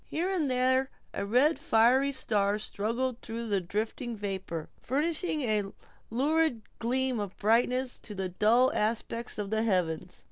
Here and there, a red and fiery star struggled through the drifting vapor, furnishing a lurid gleam of brightness to the dull aspect of the heavens.